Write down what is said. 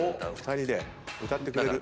２人で歌ってくれるここで。